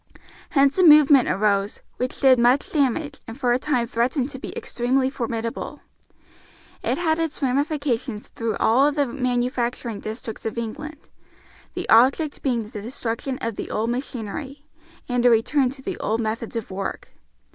Hence a movement arose, which did much damage and for a time threatened to be extremely formidable. It had its ramifications through all the manufacturing districts of England, the object being the destruction of the machinery, and a return to the old methods of work.